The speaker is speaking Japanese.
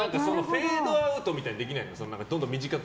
フェードアウトみたいにできないの？